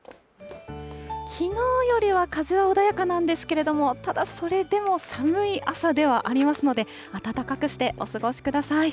きのうよりは風は穏やかなんですけれども、ただそれでも、寒い朝ではありますので、暖かくしてお過ごしください。